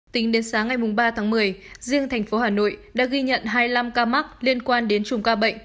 tính đến sáng ngày ba tháng một mươi riêng thành phố hà nội đã ghi nhận hai mươi năm ca mắc liên quan đến chùm ca bệnh